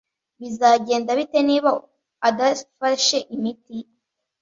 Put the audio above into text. Bizagenda bite niba adafashe imiti?